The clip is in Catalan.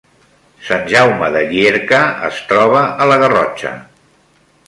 Sant Jaume de Llierca es troba a la Garrotxa